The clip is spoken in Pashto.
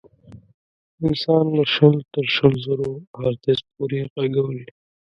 انسان له شل تر شل زرو هرتز پورې غږ اوري.